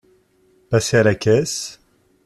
Passez à la caisse !